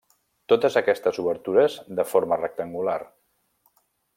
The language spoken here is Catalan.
Totes aquestes obertures de forma rectangular.